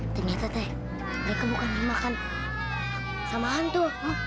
itu teman teman kita ternyata mereka bukan dimakan sama hantu